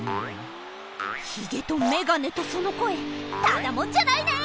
ヒゲとメガネとそのこえただもんじゃないね！